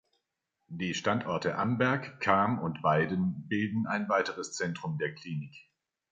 Die Standorte Amberg, Cham und Weiden bilden ein weiteres Zentrum der Klinik.